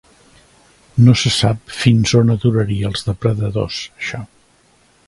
No se sap fins on aturaria els depredadors, això.